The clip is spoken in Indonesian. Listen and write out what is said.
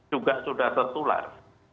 juga sudah tertular